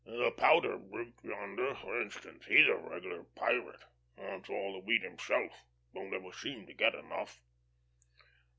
The pouter brute yonder, for instance. He's a regular pirate. Wants all the wheat himself. Don't ever seem to get enough."